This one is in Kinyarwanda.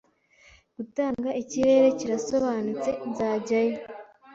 Gutanga ikirere kirasobanutse, nzajyayo